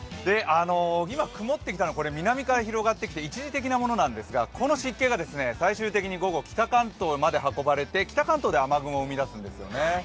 今、曇ってきたのは南から広がってきて一時的なものなんですがこの湿気が最終的に午後北関東まで運ばれて北関東で雨雲を生み出すんですよね。